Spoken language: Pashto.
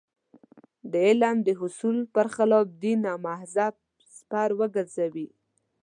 د علم د حصول پر خلاف دین او مذهب سپر وګرځي.